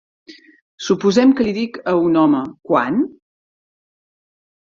Suposem que li dic a un home, "quant"?